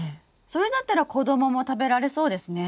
それだったら子供も食べられそうですね。